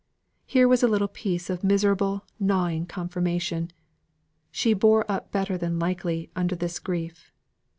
Here was a little bit of miserable, gnawing confirmation. "She bore up better than likely" under this grief.